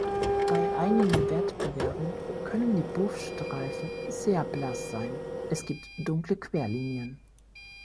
Bei einigen Wettbewerben können die Buff-Streifen sehr blass sein. Es gibt dunkle Querlinien.